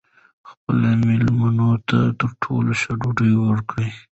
خپلو مېلمنو ته تر ټولو ښه ډوډۍ ورکړئ.